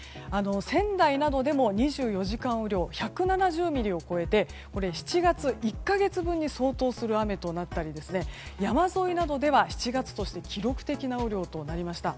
仙台などでも２４時間雨量１７０ミリを超えて７月１か月分に相当する雨となったり山沿いなどでは７月として記録的な雨量となりました。